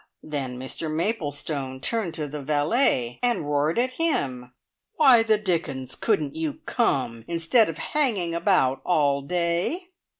Then Mr Maplestone turned to the valet, and roared at him: "Why the dickens couldn't you come, instead of hanging about all day?"